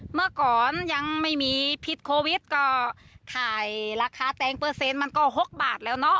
เมื่อก่อนยังไม่มีพิษโควิดก็ขายราคาแตงเปอร์เซ็นต์มันก็๖บาทแล้วเนาะ